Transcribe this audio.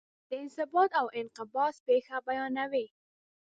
د انبساط او انقباض پېښه بیانوي.